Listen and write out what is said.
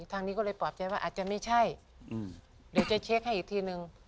ทางนี้ก็เลยปลอบใจว่าอาจจะไม่ใช่เดี๋ยวจะเช็คให้อีกทีนึง